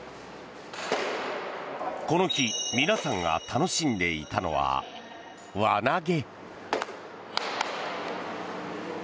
この日皆さんが楽しんでいたのは輪投げ。